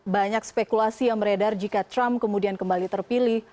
banyak spekulasi yang beredar jika trump kemudian kembali terpilih